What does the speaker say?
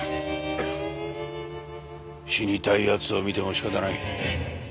死にたいやつを診てもしかたない。